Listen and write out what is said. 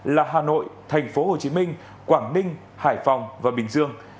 là hà nội tp hcm quảng ninh hải phòng và bình dương